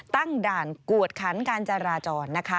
ตั้งด่านกวดขันการจราจรนะคะ